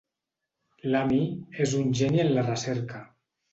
L'Amy és un geni en la recerca.